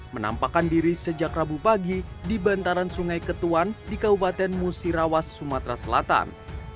menampakkan diri sejak rabu pagi di bantaran sungai ketuan di kabupaten musirawas sumatera selatan